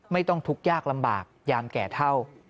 ไม่ต้องทุกข์ยากลำบากยามแก่เท่า